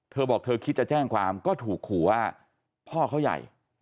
เธอบอกเธอคิดจะแจ้งความก็ถูกขู่ว่าพ่อเขาใหญ่